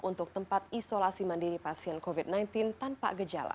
untuk tempat isolasi mandiri pasien covid sembilan belas tanpa gejala